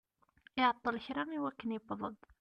Iɛeṭṭel kra i wakken yewweḍ-d.